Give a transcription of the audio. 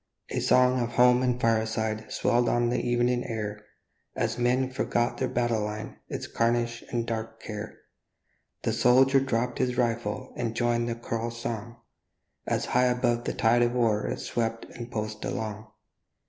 A song of home and fireside Swelled on the evening air, And men forgot their battle line, Its carnage and dark care ; The soldier dropp'd his rifle And joined the choral song, As high above the tide of war It swept and pulsed along.